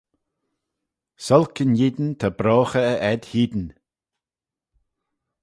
S'olk yn eean ta broghey e edd hene